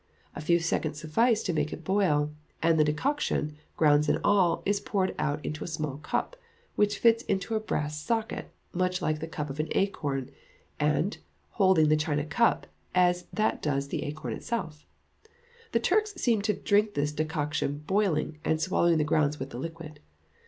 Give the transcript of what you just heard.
A few seconds suffice to make it boil, and the decoction, grounds and all, is poured out into a small cup, which fits into a brass socket, much like the cup of an acorn, and holding the china cup as that does the acorn itself. The Turks seem to drink this decoction boiling, and swallow the grounds with the liquid.